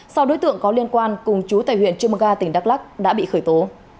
sau đối tượng có liên quan cùng chú tại huyện chumaga tỉnh đắk lắc đã bị khởi tố